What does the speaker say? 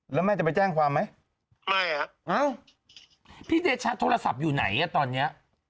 แล้วแม่จะไปแจ้งความไหมไม่อ่ะอ้าวพี่เดชะโทรศัพท์อยู่ไหนอ่ะตอนเนี้ย